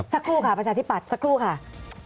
สักครู่ค่ะประชาธิปัตย์สักครู่ค่ะ